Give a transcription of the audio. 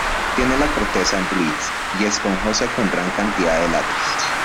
Tiene la corteza gris y esponjosa con gran cantidad de latex.